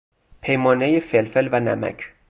پیمانه فلفل و نمک